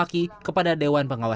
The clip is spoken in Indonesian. karena beliau juga